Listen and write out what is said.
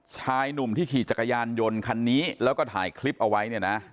ชายหนุ่มที่ขี่จักรยานยนต์คันนี้แล้วก็ถ่ายคลิปเอาไว้เนี่ยนะ